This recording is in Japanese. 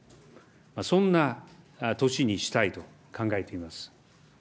そんな年にしたいと考えています。